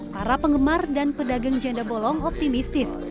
para penggemar dan pedagang janda bolong optimistis